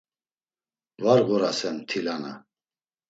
Var ğurasen mtilana?